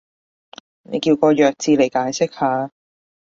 你叫個弱智嚟解釋下